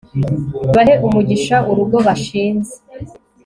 bahe umugisha urugo bashinze